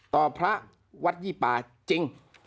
พระวัดยี่ป่าจริง